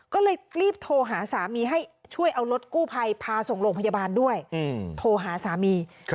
ก็เลยรีบโทรหาสามีให้ช่วยเอารถกู้ภัยพาส่งโรงพยาบาลด้วยโทรหาสามี